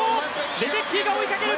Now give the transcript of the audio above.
レデッキーが追いかける。